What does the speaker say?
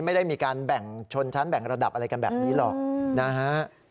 ไม่ได้มีการแบ่งชนชั้นแบ่งระดับอะไรกันแบบนี้หรอกนะฮะ